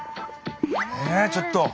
ねえちょっと。